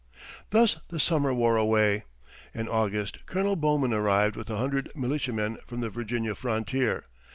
Thus the summer wore away. In August Colonel Bowman arrived with a hundred militiamen from the Virginia frontier.